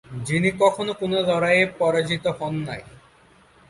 যিনি কখনো কোন লড়াইয়ে পরাজিত হোন নাই।